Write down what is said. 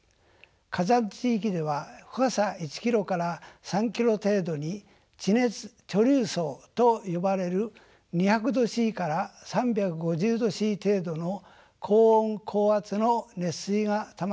火山地域では深さ１キロから３キロ程度に地熱貯留層と呼ばれる２００℃から３５０℃程度の高温高圧の熱水がたまっている所があります。